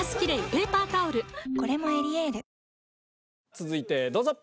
続いてどうぞ。